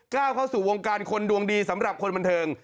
ก้าวเข้าสู่วงการคนดวงดีสำหรับคนบันเทิง